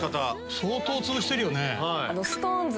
相当つぶしてるよね。